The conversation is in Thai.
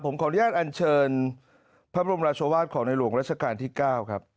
ผมขออนุญาตอันเชิญพระบรมราชวาสของในหลวงรัชกาลที่๙ครับ